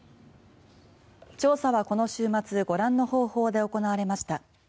調査はこの週末ご覧の方法で行われました。